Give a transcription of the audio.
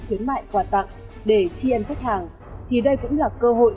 khuyến mại quà tặng để chi ân khách hàng thì đây cũng là cơ hội